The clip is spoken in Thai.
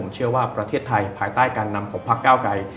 เชื่อว่าประเทศไทยภายใต้การนำของพักเก้าไกร